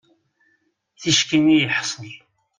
Ticki i yeḥsel.